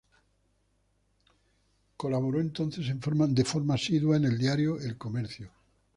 Colaboró entonces en forma asidua en el diario "El Comercio".